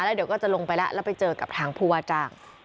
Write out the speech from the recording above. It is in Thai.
เดี๋ยวก็จะลงไปแล้วแล้วไปเจอกับทางผู้ว่าจ้าง